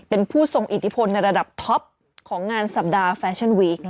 เป็นผู้ทรงอิทธิพลในระดับท็อปของงานสัปดาห์แฟชั่นวีค